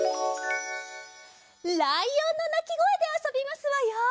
ライオンのなきごえであそびますわよ！